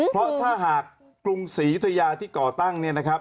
เพราะถ้าหากกรุงศรียุธยาที่ก่อตั้งเนี่ยนะครับ